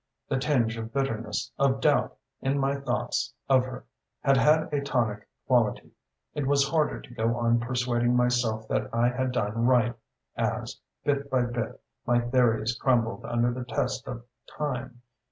The tinge of bitterness, of doubt, in my thoughts of her had had a tonic quality. It was harder to go on persuading myself that I had done right as, bit by bit, my theories crumbled under the test of time.